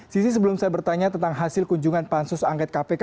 sisi sebelum saya bertanya tentang hasil kunjungan pansus angket kpk